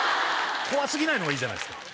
怖過ぎないのがいいじゃないっすか。